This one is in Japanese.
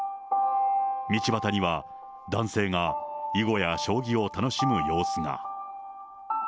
道端には男性が囲碁や将棋を楽しむ様子が。